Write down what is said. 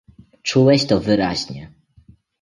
"Czułeś to wyraźnie."